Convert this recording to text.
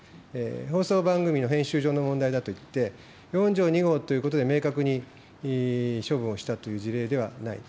放送番組の編集上の問題だといって、４条２号ということで明確に処分をしたという事例ではないと。